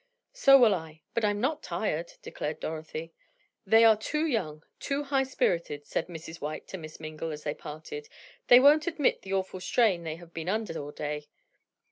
"So will I, but I'm not tired," declared Dorothy. "They are too young; too high spirited," said Mrs. White to Miss Mingle, as they parted; "they won't admit the awful strain they have been under all day."